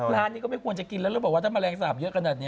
ร้านนี้ก็ไม่ควรจะกินแล้วแล้วบอกว่าถ้าแมลงสาปเยอะขนาดนี้